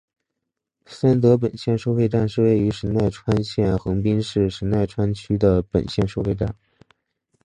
三泽本线收费站是位于神奈川县横滨市神奈川区的本线收费站。